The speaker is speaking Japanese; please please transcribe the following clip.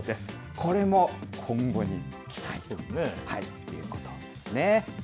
これも今後に期待ということですね。